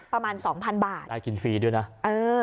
ประมาณสองพันบาทน่ากินฟรีด้วยนะเออ